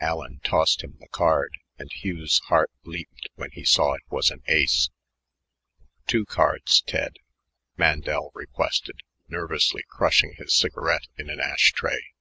Allen tossed him the card, and Hugh's heart leaped when he saw that it was an ace. "Two cards, Ted," Mandel requested, nervously crushing his cigarette in an ash tray.